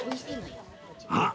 あっ！